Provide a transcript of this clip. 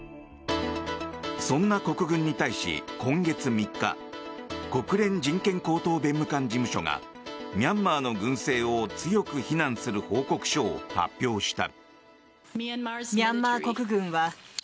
そんな国軍に対し、今月３日国連人権高等弁務官事務所がミャンマーの軍政を強く非難する報告書を発表した。